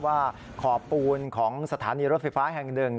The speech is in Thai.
ขอบปูนของสถานีรถไฟฟ้าแห่งหนึ่ง